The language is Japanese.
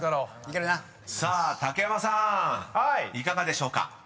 ［さあ竹山さんいかがでしょうか？］